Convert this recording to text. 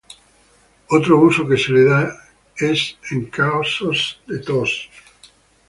Otro uso que se le da es en casos de tos.